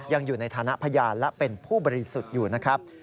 ยังอยู่ในฐานะพยานและเป็นผู้บริสุทธิ์อยู่นะครับ